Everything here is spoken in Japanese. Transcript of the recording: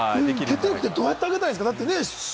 決定力ってどうやって上げたらいいですか？